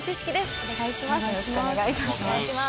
お願いします。